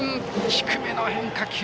低めの変化球。